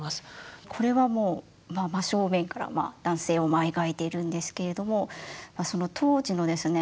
これはもう真正面から男性を描いているんですけれどもその当時のですね